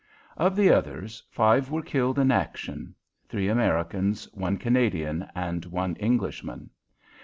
Of the others five were killed in action three Americans, one Canadian, and one Englishman.